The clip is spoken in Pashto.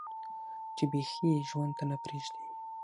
چې بيخي ئې ژوند ته نۀ پرېږدي